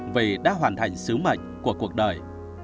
vì đã hoàn thành sứ mệnh của cuộc đời